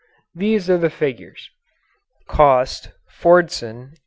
These are the figures: COST, FORDSON, $880.